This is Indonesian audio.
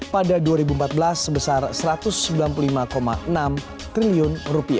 pada dua ribu empat belas sebesar rp satu ratus sembilan puluh lima enam triliun